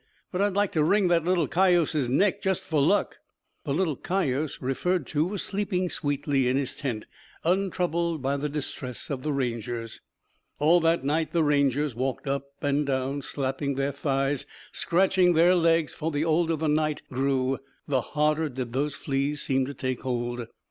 But I'd like to wring that little cayuse's neck just for luck." The "little cayuse" referred to was sleeping sweetly in his tent, untroubled by the distress of the Rangers. All that night the Rangers walked up and down, slapping their thighs, scratching their legs, for the older the night grew the harder did those fleas seem to take hold.